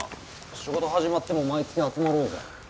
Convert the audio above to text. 仕事始まっても毎月集まろうぜ。